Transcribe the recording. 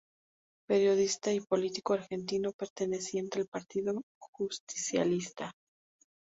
Periodista y político argentino, perteneciente al Partido Justicialista.